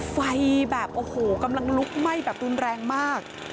ไฟแบบโอ้โหกำลังลุกไหม้แบบรุนแรงมาก